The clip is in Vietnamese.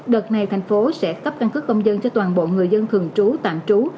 đợt này thành phố sẽ cấp căn cước công dân cho toàn bộ người dân thường trú tạm trú